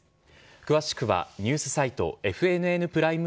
詳しくはニュースサイトＦＮＮプライム